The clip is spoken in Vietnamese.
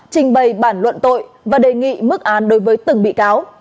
trình bày bản luận tội và đề nghị mức án đối với từng bị cáo